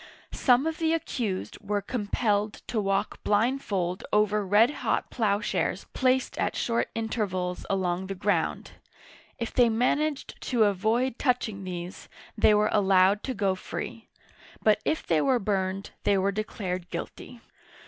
Some of the accused were compelled to walk blindfold over red hot plowshares placed at short intervals along the ground. If they managed to avoid touching these, they were allowed Digitized by Google 44 OLD FRANCE to go free ; but if they were burned, they were declared guilty.